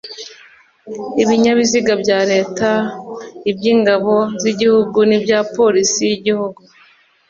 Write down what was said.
Ibinyabiziga bya Leta, iby'Ingabo z'Igihugu n’ibya Polisi y’Igihugu.